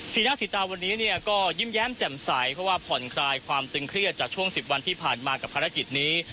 หน้าสีตาวันนี้เนี่ยก็ยิ้มแย้มแจ่มใสเพราะว่าผ่อนคลายความตึงเครียดจากช่วง๑๐วันที่ผ่านมากับภารกิจนี้